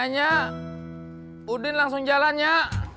akhirnya udin langsung jalan ya